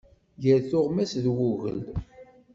Gar tuɣmas d wugel.